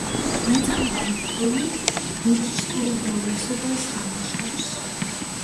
მეწამული ფონი ბუდისტურ უმრავლესობას აღნიშნავს.